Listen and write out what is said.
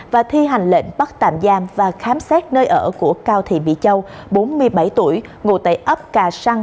và thi hành lệnh bắt tạm giam và khám xét nơi ở của cao thị mỹ châu bốn mươi bảy tuổi ngụ tại ấp cà săn